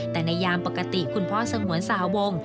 แต่ในยามปกติคุณพ่อสงวนสหวง